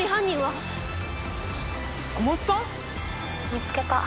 見つけた。